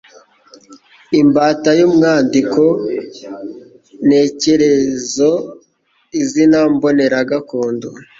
Imbata y'umwandiko ntekerezo Izina mbonera gakondo